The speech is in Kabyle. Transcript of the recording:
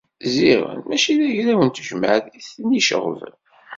Ziɣen mačči d agraw n tejmeɛt i ten-iceɣben.